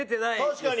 確かに。